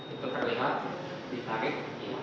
itu terlihat ditarik